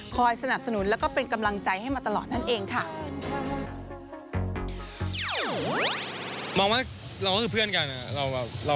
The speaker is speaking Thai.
สนับสนุนแล้วก็เป็นกำลังใจให้มาตลอดนั่นเองค่ะ